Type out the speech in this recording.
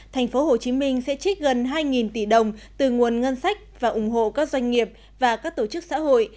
tp hcm sẽ trích gần hai tỷ đồng từ nguồn ngân sách và ủng hộ các doanh nghiệp và các tổ chức xã hội